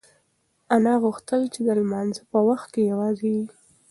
انا غوښتل چې د لمانځه په وخت کې یوازې وي.